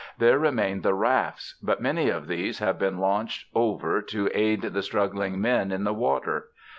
There remain the rafts, but many of these have been launched over to aid the struggling men in the water.